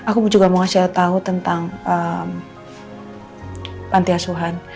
aku juga mau kasih tau tentang pantiasuhan